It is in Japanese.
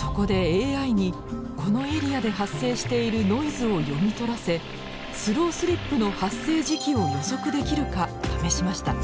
そこでＡＩにこのエリアで発生しているノイズを読み取らせスロースリップの発生時期を予測できるか試しました。